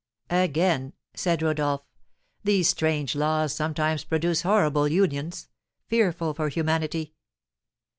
Again," said Rodolph, "these strange laws sometimes produce horrible unions: fearful for humanity.